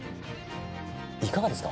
いかがですか？